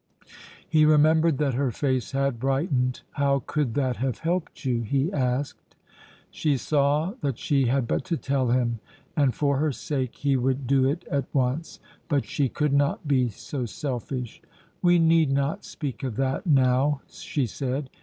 He remembered that her face had brightened. "How could that have helped you?" he asked. She saw that she had but to tell him, and for her sake he would do it at once. But she could not be so selfish. "We need not speak of that now," she said.